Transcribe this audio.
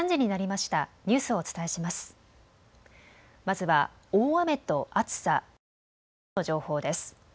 まずは大雨と暑さ、それに台風の情報です。